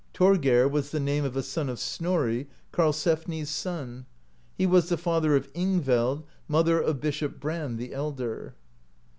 Thorgeir was the name of a son of Snorri, Karlsefni's son, [he was] the father of Ingveld, mother of Bishop Brand the Elder.